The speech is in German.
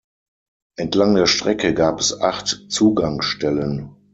Entlang der Strecke gab es acht Zugangsstellen.